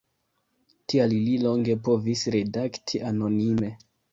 Tial li longe povis redakti anonime.